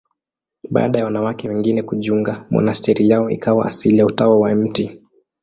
Baada ya wanawake wengine kujiunga, monasteri yao ikawa asili ya Utawa wa Mt.